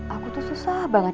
aku tuh susah banget